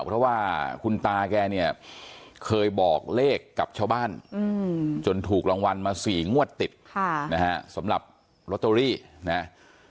เพราะว่าคุณตาแกเนี่ยเคยบอกเลขกับชาวบ้านจนถูกรางวัลมา๔งวดติดนะฮะสำหรับลอตเตอรี่นะ